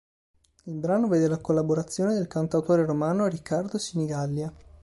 Il brano vede la collaborazione del cantautore romano Riccardo Sinigallia.